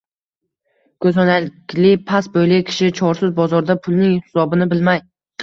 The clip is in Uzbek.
ko’zoynakli, past bo’yli kishi Chorsu bozorida pulning xisobini bilmay